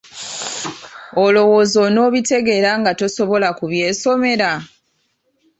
Olowooza onaabitegeera nga tosobola kubyesomera?